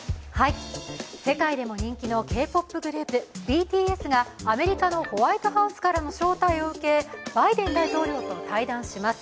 世界でも人気のＫ−ＰＯＰグループ、ＢＴＳがアメリカのホワイトハウスからの招待を受け、バイデン大統領と対談します。